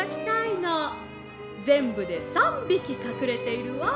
ぜんぶで３びきかくれているわ。